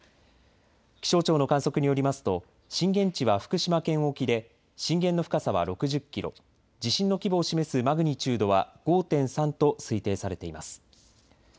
気象庁の観測によりますと震源地は福島県沖で震源の深さは６０キロ、地震の規模を示すマグニチュードは５．３と推定されています。